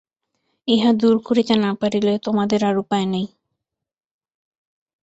ইহা দূর করিতে না পারিলে তোমাদের আর উপায় নাই।